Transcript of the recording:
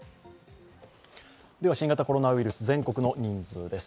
新型コロナウイルス、全国の人数です。